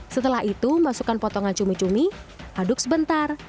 setelah itu masukkan potongan cumi cumi aduk sebentar